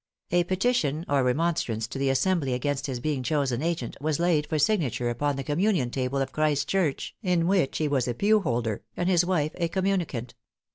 A petition or remonstrance to the Assembly against his being chosen agent, was laid for signature upon the communion table of Christ Church, in which he was a pew holder, and his wife a communicant.